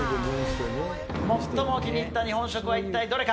最も気に入った日本食は一体どれか。